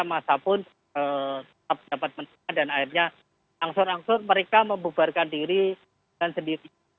masa pun tetap dapat mendengar dan akhirnya angsur angsur mereka membubarkan diri dan sendiri